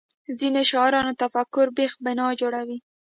ځینې شعارونه تفکر بېخ بنا جوړوي